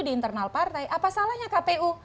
di internal partai apa salahnya kpu